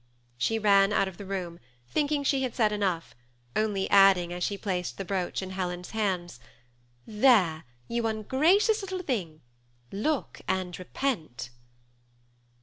She ran out of the room, thinking she had said enough, only add ing as she placed the brooch in Helen's hands, " There, you ungracious little thing. Look and repent."